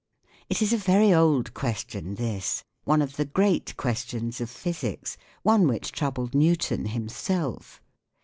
It is a very old question this ; one of the great questions of Physics, one which troubled Newton himself.